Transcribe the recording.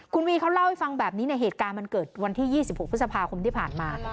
คุณวีเขาเล่าให้ฟังแบบนี้เนี่ยเหตุการณ์มันเกิดวันที่๒๖พฤษภาคมที่ผ่านมา